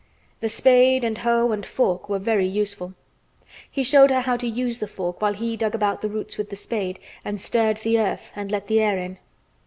The spade, and hoe, and fork were very useful. He showed her how to use the fork while he dug about roots with the spade and stirred the earth and let the air in.